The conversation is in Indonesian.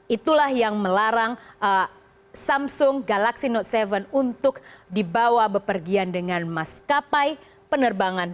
itulah yang melarang samsung galaxy note tujuh untuk dibawa bepergian dengan maskapai penerbangan